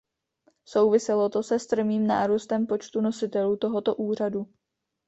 Souviselo to se strmým nárůstem počtu nositelů tohoto úřadu.